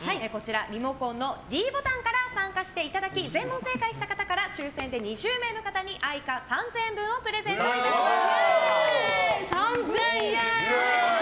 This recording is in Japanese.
リモコンのｄボタンから参加していただき全問正解した方から抽選で２０名の方にＡｉｃａ３０００円分をプレゼントいたします。